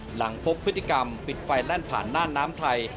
หลังพบพฤติกรรมปิดไฟแล่นผ่านหน้าน้ำไทย